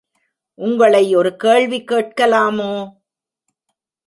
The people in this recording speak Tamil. உங்களை ஒரு கேள்வி கேட்கலாமோ?